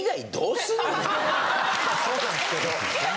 そうなんですけど。